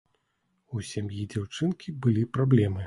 У сям'і дзяўчынкі былі праблемы.